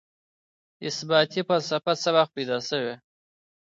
اثباتي فلسفه څه وخت پيدا سوه؟